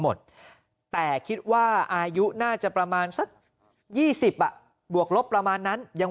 หมดแต่คิดว่าอายุน่าจะประมาณสัก๒๐อ่ะบวกลบประมาณนั้นยัง